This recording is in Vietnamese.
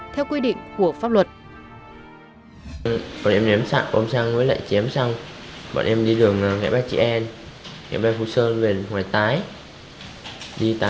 theo quy định của pháp luật